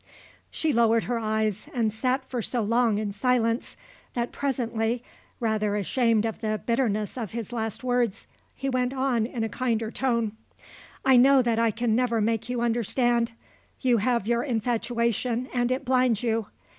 She lowered her eyes and sat for so long in silence that presently, rather ashamed of the bitterness of his last words, he went on in a kinder tone: "I know that I can never make you understand. You have your infatuation and it blinds you.